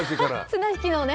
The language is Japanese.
綱引きのね。